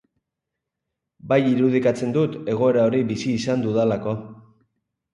Bai irudikatzen dut egoera hori bizi izan dudalako.